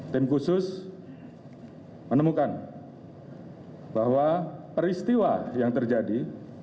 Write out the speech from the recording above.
tim khusus menemukan bahwa peristiwa yang terjadi